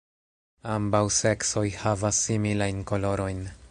Ambaŭ seksoj havas similajn kolorojn.